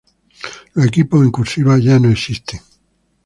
Los equipos en "cursiva" ya no existen.